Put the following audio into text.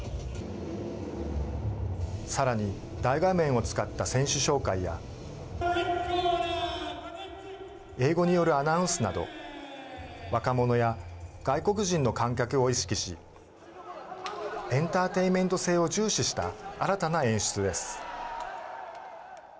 さらに大画面を使った選手紹介や英語によるアナウンスなど若者や外国人の観客を意識しエンターテインメント性を重視した新たな演出です。